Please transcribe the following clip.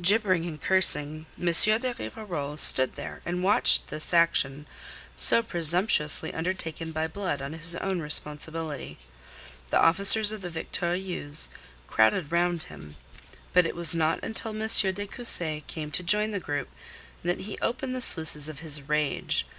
Gibbering and cursing, M. de Rivarol stood there and watched this action, so presumptuously undertaken by Blood on his own responsibility. The officers of the Victorieuse crowded round him, but it was not until M. de Cussy came to join the group that he opened the sluices of his rage.